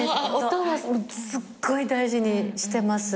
音はすっごい大事にしてます。